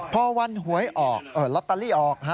พอวันหวยออกลอตเตอรี่ออก